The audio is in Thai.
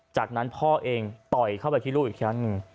จากนั้นพ่อเองต่อยเข้าไปที่ลูกอีกครั้งหนึ่ง